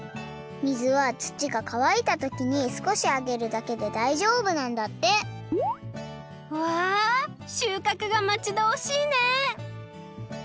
水は土がかわいた時にすこしあげるだけでだいじょうぶなんだってわあしゅうかくがまちどおしいね！